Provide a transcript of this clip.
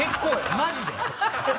マジで？